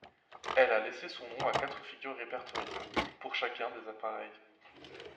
Elle a laissé son nom à quatre figures répertoriées, pour chacun des appareils.